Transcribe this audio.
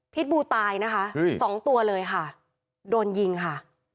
บูตายนะคะสองตัวเลยค่ะโดนยิงค่ะ